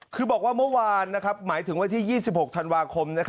คือบอกว่าเมื่อวานหมายถึงวันที่๒๖ธันวาคม